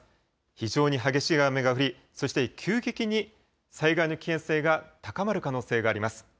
非常に激しい雨が降り、そして急激に災害の危険性が高まる可能性があります。